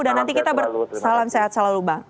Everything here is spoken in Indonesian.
dan nanti kita bersalam sehat selalu bang